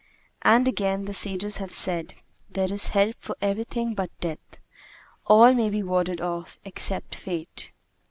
And again, the sages have said, 'There is help for everything but death: all may be warded off, except Fate.'